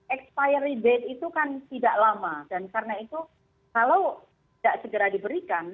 expirey date itu kan tidak lama dan karena itu kalau tidak segera diberikan